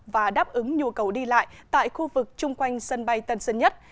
và đáp ứng nhu cầu đi lại tại khu vực chung quanh sân bay tân sơn nhất